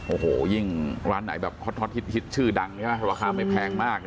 โอ้โหยิ่งร้านไหนแบบฮอตชื่อดังราคาไม่แพงมาก